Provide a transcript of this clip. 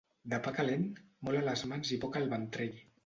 De pa calent, molt a les mans i poc al ventrell.